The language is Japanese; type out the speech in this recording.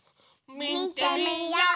みてみよう！